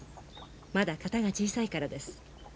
まだ型が小さいからです。